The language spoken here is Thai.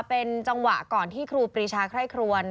เป็นจังหวะก่อนที่ครูปรีชาไคร่ครวน